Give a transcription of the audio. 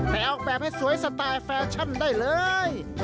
ออกแบบให้สวยสไตล์แฟชั่นได้เลย